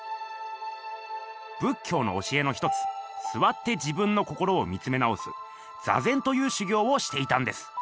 仏教の教えの一つ座って自分の心を見つめ直す「座禅」という修行をしていたんです。